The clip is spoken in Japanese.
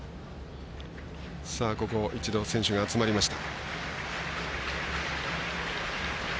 一度、選手が集まりました。